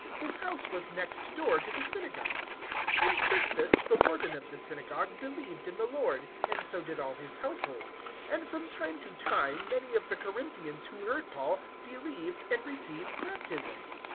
His house was next door to the synagogue. 018:008 And Crispus, the Warden of the synagogue, believed in the Lord, and so did all his household; and from time to time many of the Corinthians who heard Paul believed and received baptism.